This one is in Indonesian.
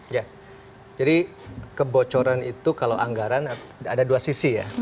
ya jadi kebocoran itu kalau anggaran ada dua sisi ya